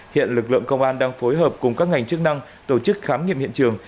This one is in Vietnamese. hiện lực lượng công an đang phối hợp cùng các ngành chức năng tổ chức khám nghiệm hiện trường